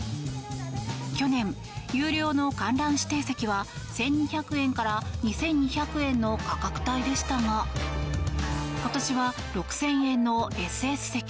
去年、有料の観覧指定席は１２００円から２２００円の価格帯でしたが今年は６０００円のＳＳ席